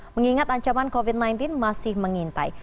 mengingat ancaman covid sembilan belas masih mengintai